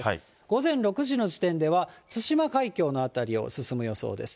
午前６時の時点では、対馬海峡の辺りを進む予想です。